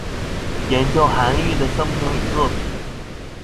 研究韓愈的生平與作品